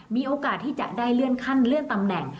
มีโอกาสที่จะได้เลื่อนขั้นเลื่อนตำแหน่ง